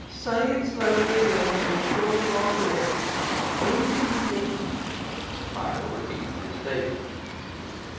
Say it slowly again, and be sure you are correct. When did he get it?' Michael repeated his statement.